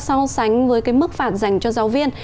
so sánh với cái mức phạt dành cho giáo viên